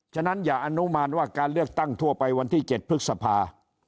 ฉะนั้นอย่าอนุมานว่าการเลือกตั้งทั่วไปวันที่๗พฤษภา